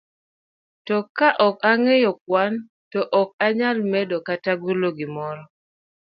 To ka ok ong'eyo kwan, to ok onyal medo kata golo gimoro.